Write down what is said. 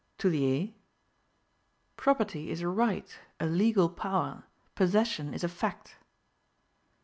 Toullier: "Property is a right, a legal power; possession is a fact."